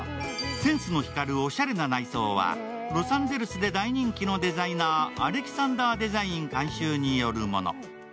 センスの光るおしゃれな内装は、ロサンゼルスで大人気のデザイナーアレキサンダーデザイン監修によるもの。